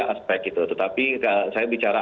aspek itu tetapi saya bicara